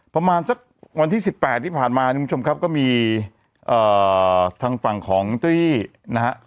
ประมาณสักวันที่๑๘ที่ผ่านมาคุณผู้ชมครับก็มีทางฝั่งของเจ้าหน้าที่นะครับ